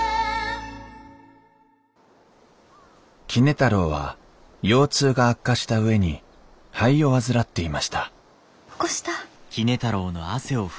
杵太郎は腰痛が悪化した上に肺を患っていました起こした？